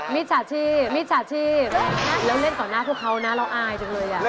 มีจฉาดชีพแล้วเล่นกับหน้าเกิดเขานะเราอ้ายจังเลย